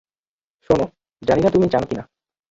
শোনো, জানি না তুমি জানো কিনা।